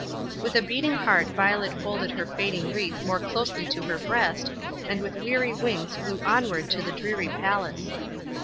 With a beating heart Violet folded her fading wreath more closely to her breast, and with weary wings flew onward to the dreary palace.